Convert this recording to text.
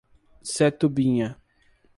Setubinha